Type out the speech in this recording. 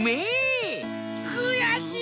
くやしい！